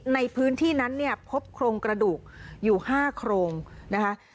ในพื้นที่นั้นเนี่ยพบโครงกระดูกอยู่๕โครงนะคะ